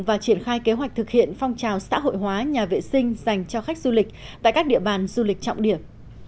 và triển khai kế hoạch thực hiện phong trào xã hội hóa nhà vệ sinh dành cho khách du lịch tại các địa bàn du lịch trọng điểm